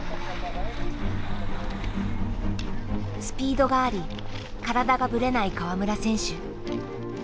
スピードがあり体がぶれない川村選手。